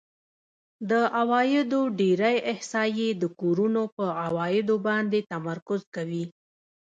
د عوایدو ډېری احصایې د کورونو په عوایدو باندې تمرکز کوي